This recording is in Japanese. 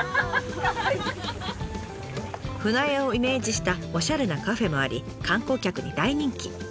舟屋をイメージしたおしゃれなカフェもあり観光客に大人気。